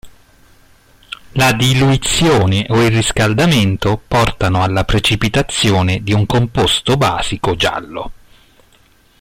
La diluizione o il riscaldamento portano alla precipitazione di un composto basico giallo.